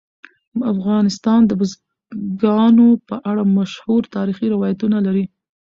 افغانستان د بزګانو په اړه مشهور تاریخی روایتونه لري.